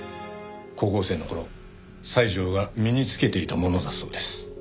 高校生の頃西條が身に着けていたものだそうです。